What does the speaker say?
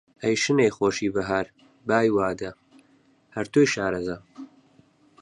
ئەی شنەی خۆشی بەهار، بای وادە! هەر تۆی شارەزا